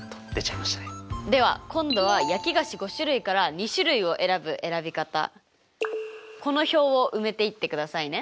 では今度は焼き菓子５種類から２種類を選ぶ選び方この表を埋めていってくださいね。